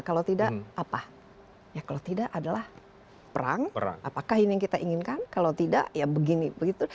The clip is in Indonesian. kalau tidak apa ya kalau tidak adalah perang apakah ini yang kita inginkan kalau tidak ya begini begitu